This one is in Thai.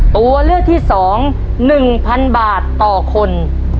ตัวเลือกที่๒๑๐๐๐บาทต่อคน